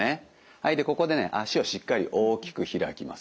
はいでここでね足をしっかり大きく開きます。